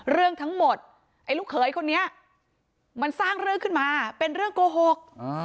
เรื่องทั้งหมดไอ้ลูกเขยคนนี้มันสร้างเรื่องขึ้นมาเป็นเรื่องโกหก